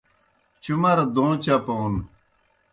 چُمرہ دوں چپون